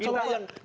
hukum apa ini